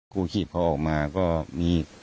ครูขี้พอเอ้อกมาก็มี